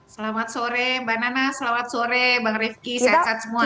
selamat sore mbak nana selamat sore bang rifki sehat sehat semua